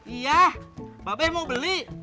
iya mbak beh mau beli